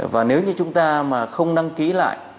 và nếu như chúng ta mà không đăng ký lại